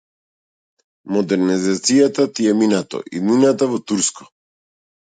Модернизацијата ти е минато, иднината во турско.